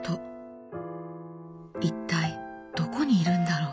一体どこにいるんだろう」。